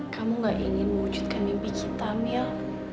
kamu gak ingin mewujudkan mimpi kita mil